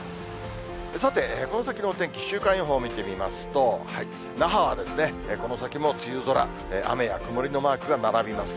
さて、この先のお天気、週間予報を見てみますと、那覇はこの先も梅雨空、雨や曇りのマークが並びます。